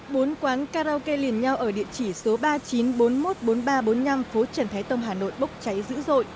bốn quán karaoke liền nhau ở địa chỉ số ba chín bốn một bốn ba bốn năm phố trần thái tông hà nội bốc cháy dữ dội